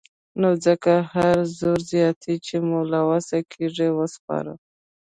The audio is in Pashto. نو ځکه هر زور زياتی چې مو له وسې کېږي وسپاره.